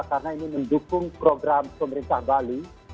karena ini mendukung program pemerintah bali